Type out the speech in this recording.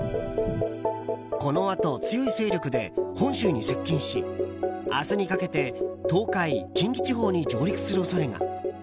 このあと、強い勢力で本州に接近し明日にかけて東海・近畿地方に上陸する恐れが。